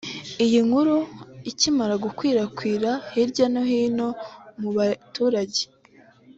Iyi nkuru ikimara gukwirakwira hirwa no hino mu baturage